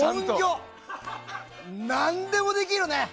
何でもできるね！